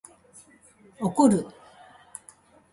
怒る